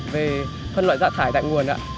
về phân loại rác thải tại nguồn ạ